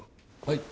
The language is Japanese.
はい。